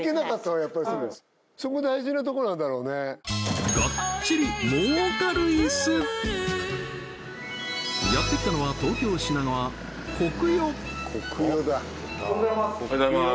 やっぱりそれそこ大事なとこなんだろうねやってきたのは東京・品川コクヨおはようございます